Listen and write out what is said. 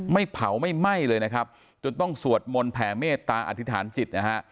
ไม่เผาไม่ไหม้เลยนะครับจนต้องสวดมนต์แผ่เมตตาอธิษฐานจิตนะฮะ